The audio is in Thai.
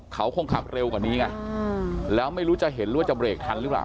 เขาคงขับเร็วกว่านี้ไงแล้วไม่รู้จะเห็นหรือว่าจะเรกทันหรือเปล่า